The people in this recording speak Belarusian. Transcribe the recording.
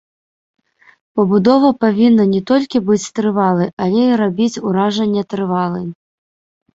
Пабудова павінна не толькі быць трывалай, але і рабіць уражанне трывалай.